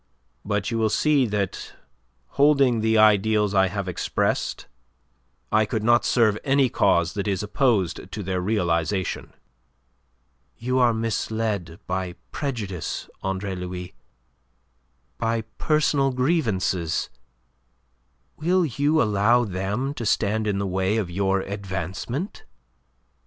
But you will see that, holding the ideals I have expressed, I could not serve any cause that is opposed to their realization." "You are misled by prejudice, Andre Louis, by personal grievances. Will you allow them to stand in the way of your advancement?"